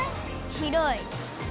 広い。